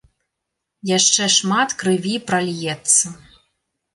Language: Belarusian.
Яшчэ шмат крыві пральецца.